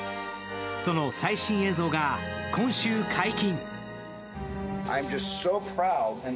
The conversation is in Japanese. その最新映像が今週解禁。